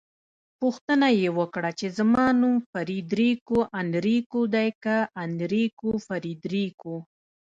پوښتنه يې وکړه چې زما نوم فریدریکو انریکو دی که انریکو فریدریکو؟